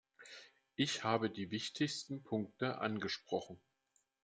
Ich habe die wichtigsten Punkte angesprochen.